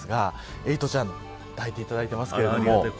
エイトちゃんを抱いていただいています。